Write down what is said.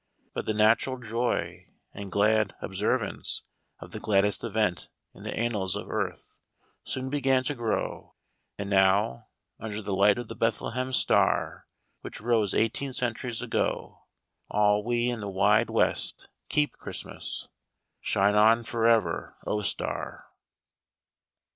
But the natural joy and glad observ ance of the gladdest event in the annals of earth soon began to grow ; and now under the light of the Bethle hem Star which rose eighteen centuries ago, all we in the wide West keep Christmas. Shine on forever, O Star